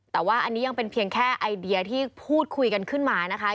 แต่ว่าอันนี้ยังเป็นเพียงแค่ไอเดียที่พูดคุยกันขึ้นมานะคะ